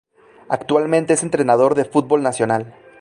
Actualmente es entrenador de fútbol nacional.